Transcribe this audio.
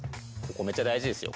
めっちゃ大事ですよ